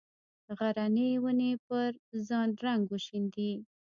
غرنې ونې پر ځان رنګ وشیندي